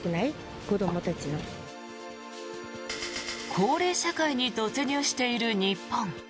高齢社会に突入している日本。